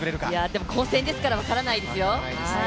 でも混戦ですから分からないですよ。